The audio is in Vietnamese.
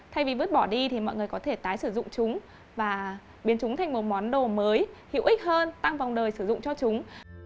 thay vì vứt bỏ đi thì mọi người có thể tái sử dụng chúng và biến chúng thành một món đồ mới hữu ích hơn tăng vòng đời sử dụng cho chúng